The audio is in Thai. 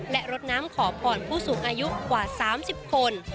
และรดน้ำขอพรผู้สูงอายุกว่า๓๐คน